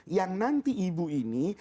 yang nanti ibu ini